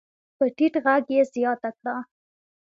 په ټيټ غږ يې زياته کړه.